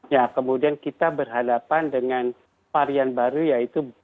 ya kemudian kita berhadapan dengan varian baru yaitu b satu satu tujuh